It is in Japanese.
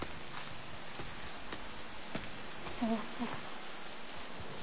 すみません。